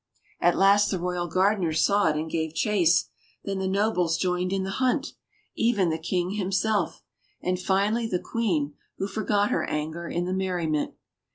At last the royal gardener saw it and gave chase, then the nobles joined in the hunt, even the King himself, and finally the Queen, who forgot her anger in the merriment.